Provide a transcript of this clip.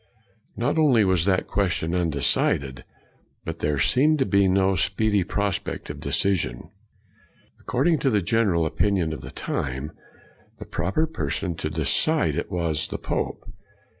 Not only was that question undecided, but there seemed to be no speedy pros pect of decision. According to the general opinion of the time, the proper person to decide it was the pope.